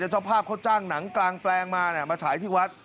เจ้าภาพเขาจ้างหนังกลางแปลงมามาฉายที่วัด